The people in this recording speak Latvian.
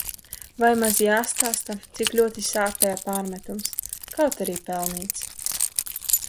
Vai maz jāstāsta, cik ļoti sāpēja pārmetums, kaut arī pelnīts.